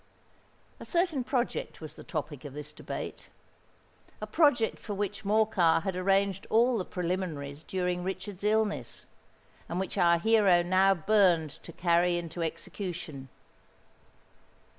A certain project was the topic of this debate,—a project for which Morcar had arranged all the preliminaries during Richard's illness, and which our hero now burned to carry into execution.